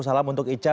salam untuk ica